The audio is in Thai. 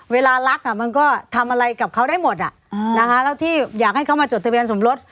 เวลารักมันก็ทำอะไรกับเขาได้หมดแล้วที่อยากให้เขามาจดทะเบียนสมรส